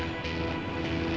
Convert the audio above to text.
ada orang baru